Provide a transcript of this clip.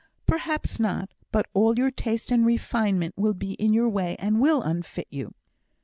"Perhaps not. But all your taste and refinement will be in your way, and will unfit you."